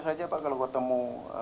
saja pak kalau ketemu